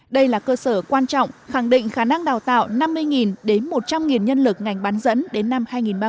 đây là cơ sở quan trọng khẳng định khả năng đào tạo năm mươi đến một trăm linh nhân lực ngành bán dẫn đến năm hai nghìn ba mươi